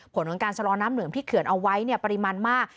ผลของการชะลอน้ำเหลืองที่เขื่อนเอาไว้ปริมาณมาก